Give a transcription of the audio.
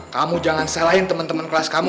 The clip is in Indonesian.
kamu jangan salahin temen temen kelas kamu